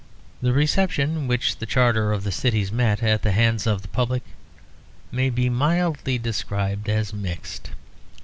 The reception which the Charter of the Cities met at the hands of the public may mildly be described as mixed.